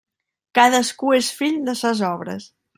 Cadascú és fill de ses obres.